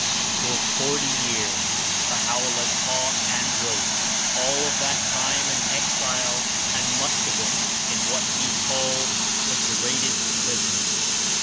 For forty years Baha^o'llah taught and wrote, all of that time an exile and much of it in what he 57 called — "the greatest prison."